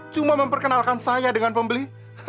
cuma memperkenalkan saya dengan pembeli